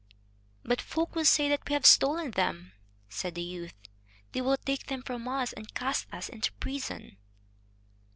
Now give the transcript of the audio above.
"But folk will say that we have stolen them," said the youth; "they will take them from us, and cast us into prison."